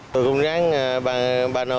tôi cũng ráng bàn bà nô